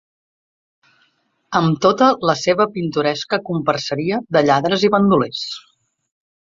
Amb tota la seva pintoresca comparseria de lladres i bandolers…